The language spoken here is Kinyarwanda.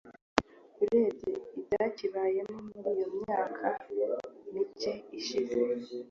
urebye ibyakibayemo muri iyo myaka micye ishize.”